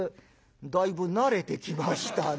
「だいぶ慣れてきましたね。